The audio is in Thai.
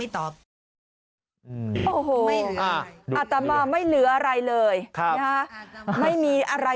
แม่ของแม่ชีอู๋ได้รู้ว่าแม่ของแม่ชีอู๋ได้รู้ว่า